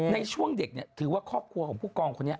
ในช่วงเด็กถือว่าครอบครัวของผู้กองคนนี้